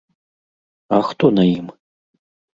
А хто на ім?